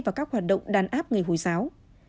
vào các hoạt động đàn áp người hồi giáo